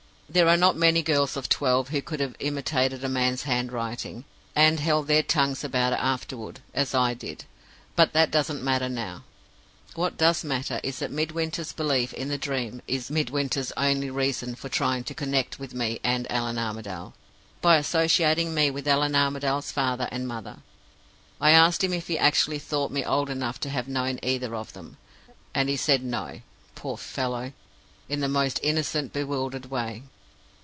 There are not many girls of twelve who could have imitated a man's handwriting, and held their tongues about it afterward, as I did; but that doesn't matter now. What does matter is that Midwinter's belief in the Dream is Midwinter's only reason for trying to connect me with Allan Armadale, by associating me with Allan Armadale's father and mother. I asked him if he actually thought me old enough to have known either of them. And he said No, poor fellow, in the most innocent, bewildered way.